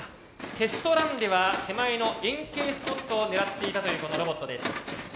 テストランでは手前の円形スポットを狙っていたというこのロボットです。